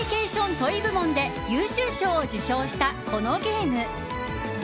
トイ部門で優秀賞を受賞した、このゲーム。